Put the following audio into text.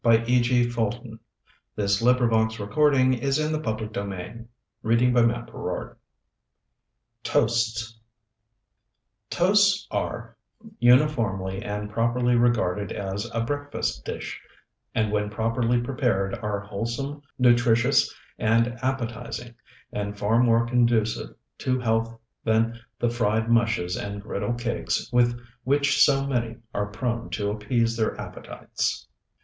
Mixed gluten and granola, 1½ pints. Cook fifteen minutes, and serve with cream. TOASTS TOASTS Toasts are uniformly and properly regarded as a breakfast dish, and when properly prepared are wholesome, nutritious, and appetizing, and far more conducive to health than the fried mushes and griddle cakes with which so many are prone to appease their appetites.